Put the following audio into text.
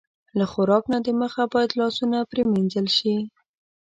له خوراک نه د مخه باید لاسونه پرېمنځل شي.